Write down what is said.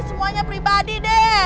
semuanya pribadi deh